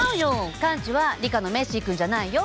カンチはリカのメッシーくんじゃないよ。